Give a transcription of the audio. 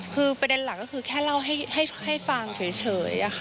คือประเด็นหลักก็คือแค่เล่าให้ฟังเฉย